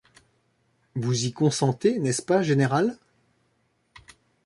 Vous y consentez, n'est-ce pas, général ?